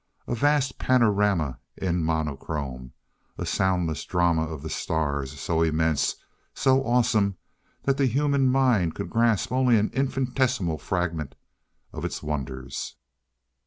A vast panorama in monochrome ... a soundless drama of the stars, so immense, so awesome that the human mind could grasp only an infinitesimal fragment of its wonders....